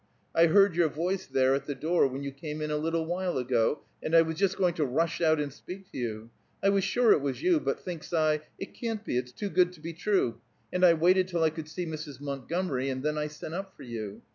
"I heard your voice there at the door, when you came in a little while ago, and I was just going to rush out and speak to you. I was sure it was you; but thinks I, 'It can't be; it's too good to be true'; and I waited till I could see Mrs. Montgomery, and then I sent up for you.